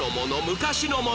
昔のもの？